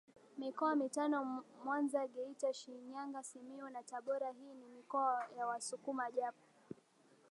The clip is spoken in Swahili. mikoa mitano MwanzaGeitaShinyangaSimiyu na TaboraHii ni mikoa ya Wasukuma Japo